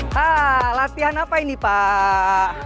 hah latihan apa ini pak